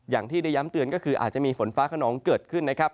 อย่างที่ได้ย้ำเตือนก็คืออาจจะมีฝนฟ้าขนองเกิดขึ้นนะครับ